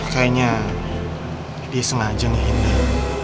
kayaknya dia sengaja ngehindah